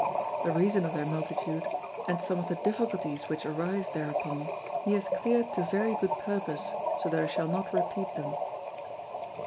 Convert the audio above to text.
The reason of their Multitude, and some of the Difficulties which arise thereupon, he has cleared to very good Purpose, so that I shall not repeat them.